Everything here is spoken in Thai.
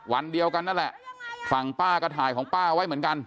วันเดียวกันนั่นแหละฝั่งป้าก็ถ่ายของป้าไว้เหมือนกัน